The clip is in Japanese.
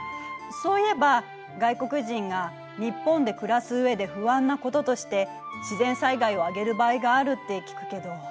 そういえば外国人が日本で暮らす上で不安なこととして自然災害を挙げる場合があるって聞くけど。